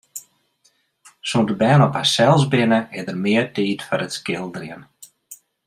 Sûnt de bern op harsels binne, is der mear tiid foar it skilderjen.